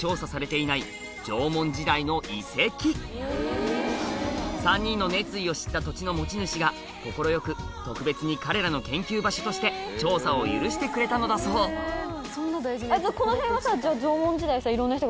実は３人の熱意を知った土地の持ち主が快く特別に彼らの研究場所として調査を許してくれたのだそうじゃこの辺は。